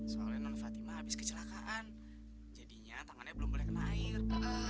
soalnya non fatima habis kecelakaan jadinya tangannya belum boleh kena air